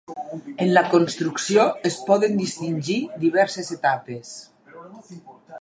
En la construcció es poden distingir diverses etapes.